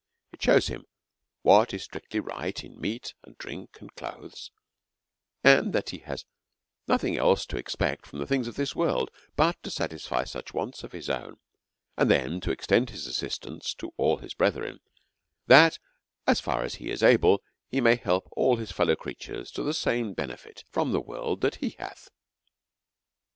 It shews him what is strictly right in meat, drink, and clothes ; that he has nothing else to expect from the things of this world, but to satisfy such wants of his own ; and then to extend his assistance to all his brethren, that, as far as he is able, he may help all his fellow creatures to the same benefit from the world that he hath.